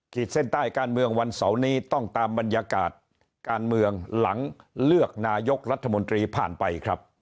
เส้นใต้การเมืองวันเสาร์นี้ต้องตามบรรยากาศการเมืองหลังเลือกนายกรัฐมนตรีผ่านไปครับ